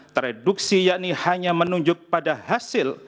tereduksi yakni hanya menunjuk pada hasil